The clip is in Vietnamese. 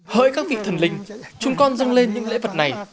hỡi các vị thần linh chúng con dâng lên những lễ vật này